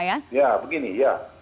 ya begini ya